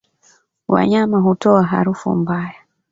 Wanyama hutoa harufu mbaya